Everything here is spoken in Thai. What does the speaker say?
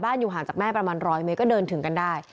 บ้านอยู่ห่างจากแม่ประมาณร้อยเมล็ดก็เดินถึงกันได้